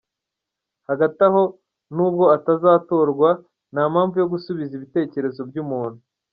hagati aho nubwo atazatorwa nta mpamvu yo gusubiza ibitekerezo by,umuntu.